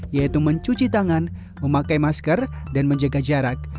yaitu mencuci tangan memakai masker dan menjaga jarak